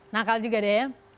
nakal juga deh ya